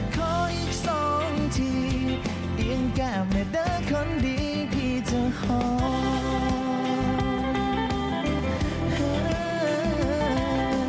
ขออีกสองทีอิ่มแก้มในเดือดคนดีพี่เธอหอม